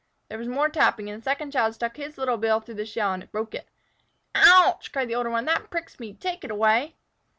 There was more tapping, and the second child stuck his little bill through the shell and broke it. "Ouch!" cried the older one; "that pricks me. Take it away!"